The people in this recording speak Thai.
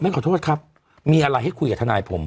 ขอโทษครับมีอะไรให้คุยกับทนายผม